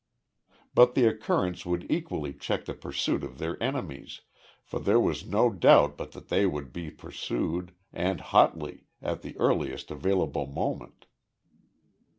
But the occurrence would equally check the pursuit of their enemies, for there was no doubt but that they would be pursued, and hotly, at the earliest available moment?